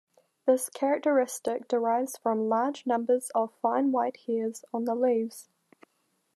This characteristic derives from large numbers of fine white hairs on the leaves.